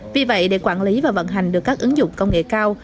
vì vậy để quản lý và vận hành được các ứng dụng công nghệ cao